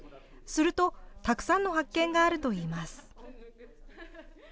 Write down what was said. すると、たくさんの発見があるといいます。